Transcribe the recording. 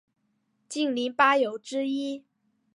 竟陵八友之一。